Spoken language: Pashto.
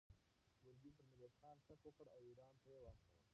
ګورګین پر میرویس خان شک وکړ او ایران ته یې واستاوه.